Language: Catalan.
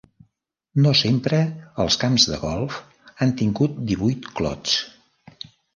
No sempre els camps de golf han tingut divuit clots.